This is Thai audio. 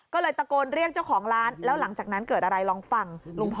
ก็เลยตะโกนเรียกเจ้าของร้านแล้วหลังจากนั้นเกิดอะไรลองฟังลุงพร